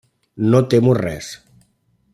No temo res.